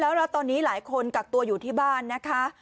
แล้วตอนนี้หลายคนกักตัวอยู่ที่บ้านนะคะ